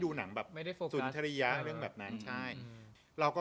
หนังแบบไม่ได้โฟสุนทริยะเรื่องแบบนั้นใช่เราก็